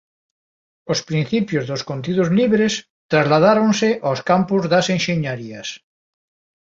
Os principios dos contidos libres trasladáronse aos campos das enxeñarías.